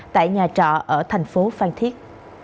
tại nhà trọ ở thành phố phan thiết